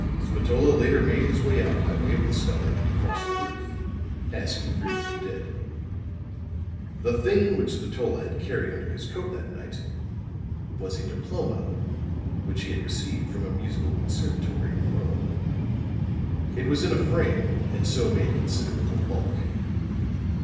Spatola later made his way out by way of the scuttle and across the roof, as he frequently did. "The thing which Spatola had carried under his coat that night was a diploma which he had received from a musical conservatory in Rome. It was in a frame and so made considerable bulk.